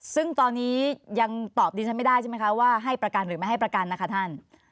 ซึ่งตอนนี้ยังตอบดิฉันไม่ได้ใช่ไหมคะว่าให้ประกันหรือไม่ให้ประกันนะคะท่าน